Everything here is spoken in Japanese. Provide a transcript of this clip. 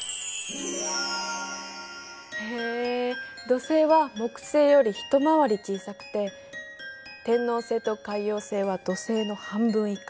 へえ土星は木星より一回り小さくて天王星と海王星は土星の半分以下。